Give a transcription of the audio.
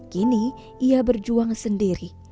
kini ia berjuang sendiri